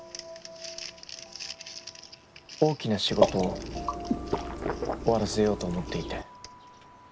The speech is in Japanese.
大きな仕事を終わらせようと思っていて。